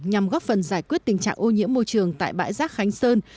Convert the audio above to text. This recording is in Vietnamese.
nhằm góp phần giải quyết tình trạng ô nhiễm môi trường tại bãi rác khánh sơn